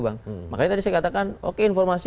bang makanya tadi saya katakan oke informasi